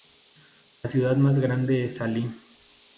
La ciudad más grande es Ali.